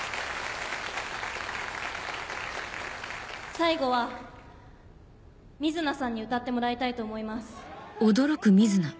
最後は瑞奈さんに歌ってもらいたいと思います。